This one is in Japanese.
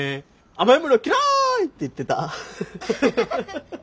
「甘い物嫌い！」って言ってた。